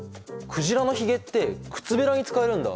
鯨のひげってくつべらに使えるんだ。